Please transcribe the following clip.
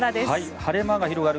晴れ間が広がる